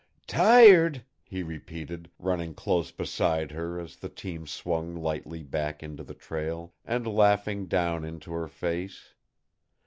"Tired!" he repeated, running close beside her as the team swung lightly back into the trail, and laughing down into her face.